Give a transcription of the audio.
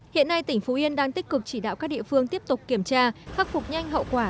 hiện nay tỉnh phú yên đang tích cực chỉ đạo các địa phương tiếp tục kiểm tra khắc phục nhanh hậu quả